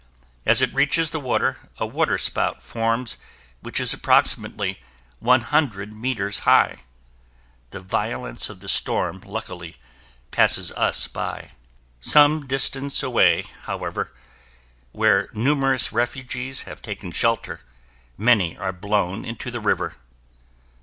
As it reaches the water, a waterspout forms which is approximately 100 meters high. The violence of the storm luckily passes us by. Some distance away, however, where numerous refugees have taken shelter, many are blown into the river.